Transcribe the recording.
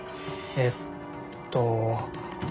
えっと。